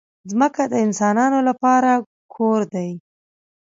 ځمکه د انسانانو لپاره کور دی.